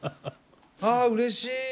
あうれしい！